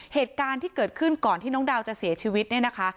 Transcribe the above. เหตุการณ์ที่เกิดขึ้นก่อนที่น้องดาวจะเสียชีวิตเนี่ยนะคะ